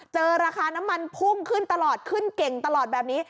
ราคาน้ำมันพุ่งขึ้นตลอดขึ้นเก่งตลอดแบบนี้